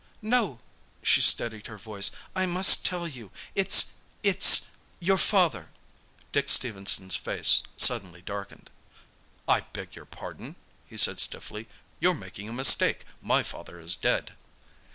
"No—" She steadied her voice. "I must tell you. It's—it's—your father!" Dick Stephenson's face suddenly darkened. "I beg your pardon," he said stiffly. "You're making a mistake; my father is dead."